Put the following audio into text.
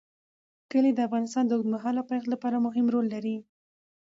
کلي د افغانستان د اوږدمهاله پایښت لپاره مهم رول لري.